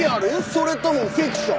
それともフィクション？」